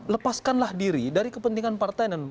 lepaskanlah diri dari kepentingan partai